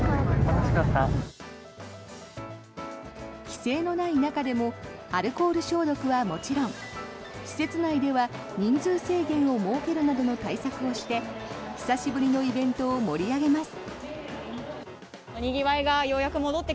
規制のない中でもアルコール消毒はもちろん施設内では人数制限を設けるなどの対策をして久しぶりのイベントを盛り上げます。